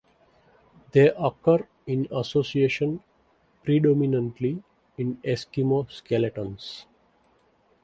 They occur in association predominantly in Eskimo skeletons.